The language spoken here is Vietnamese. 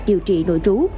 điều trị nội trú